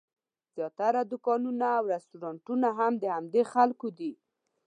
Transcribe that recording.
زیاتره دوکانونه او رسټورانټونه هم د همدې خلکو دي.